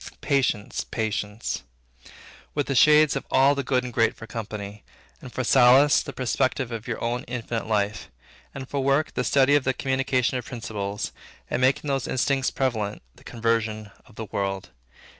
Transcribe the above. Patience, patience; with the shades of all the good and great for company; and for solace, the perspective of your own infinite life; and for work, the study and the communication of principles, the making those instincts prevalent, the conversion of the world.